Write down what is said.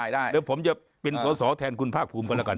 เดี๋ยวผมจะเป็นสอสอแทนคุณภาคภูมิกันแล้วกัน